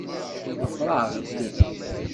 Ḍfeṛ-aɣ-d!